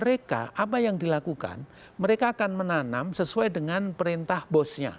jadi apa yang dilakukan mereka akan menanam sesuai dengan perintah bosnya